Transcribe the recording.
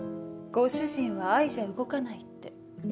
ご主人は愛じゃ動かないって。